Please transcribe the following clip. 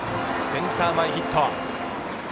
センター前ヒット。